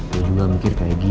gue juga mikir kayak gitu